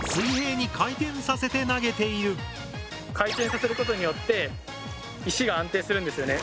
実は回転させることによって石が安定するんですよね。